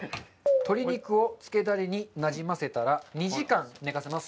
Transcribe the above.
鶏肉をつけダレになじませたら２時間寝かせます。